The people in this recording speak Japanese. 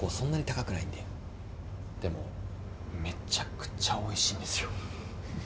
でもめちゃくちゃおいしいんですよ。